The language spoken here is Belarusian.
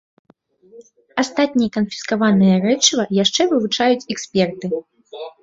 Астатняе канфіскаванае рэчыва яшчэ вывучаюць эксперты.